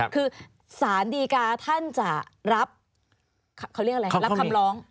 คือสารดีกาท่านจะรับเขาเรียกอะไรรับคำร้อง